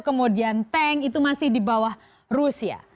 kemudian tank itu masih di bawah rusia